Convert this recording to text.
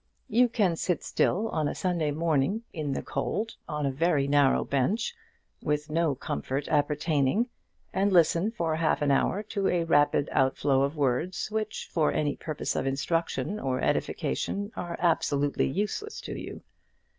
You can sit still on a Sunday morning, in the cold, on a very narrow bench, with no comfort appertaining, and listen for half an hour to a rapid outflow of words, which, for any purpose of instruction or edification, are absolutely useless to you.